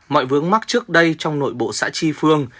mọi vướng mắc trước đây trong nội bộ xã tri phương